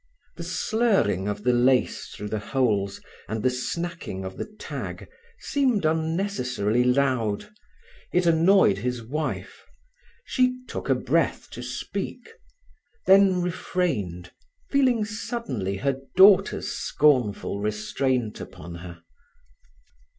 The slurring of the lace through the holes and the snacking of the tag seemed unnecessarily loud. It annoyed his wife. She took a breath to speak, then refrained, feeling suddenly her daughter's scornful restraint upon her.